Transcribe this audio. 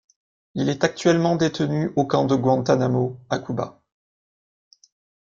Il est actuellement détenu au camp de Guantánamo, à Cuba.